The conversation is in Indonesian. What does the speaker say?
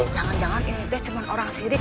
jangan jangan ini hanya orang sirip